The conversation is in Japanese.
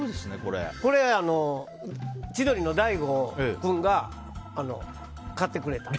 千鳥の大悟君が買ってくれた。